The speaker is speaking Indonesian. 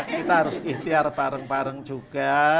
kita harus ikhtiar bareng bareng juga